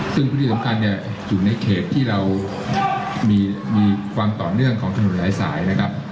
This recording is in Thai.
ซึ่งพื้นที่สำคัญเนี่ยอยู่ในเขตที่เรามีความต่อเนื่องของถนนหลายสายนะครับ